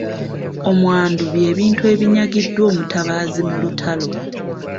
Omwandu by’ebintu ebinyagiddwa omutabaazi mu lutalo.